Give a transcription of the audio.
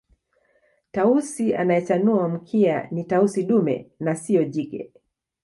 Tausi anayechanua mkia ni Tausi dume na siyo jike